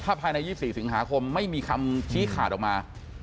ภายใน๒๔สิงหาคมไม่มีคำชี้ขาดออกมา